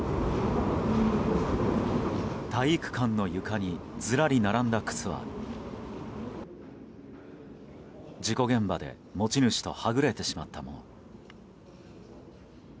体育館の床にずらり並んだ靴は事故現場で持ち主とはぐれてしまったもの。